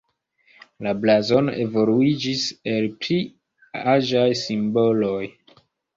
La blazono evoluiĝis el pli aĝaj simboloj.